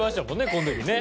この時ね。